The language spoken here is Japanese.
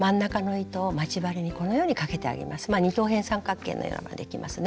二等辺三角形の山ができますね。